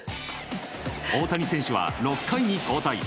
大谷選手は６回に交代。